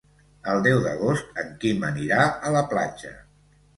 El deu d'agost en Quim anirà a la platja.